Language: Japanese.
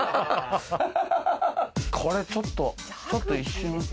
これちょっとちょっと一瞬。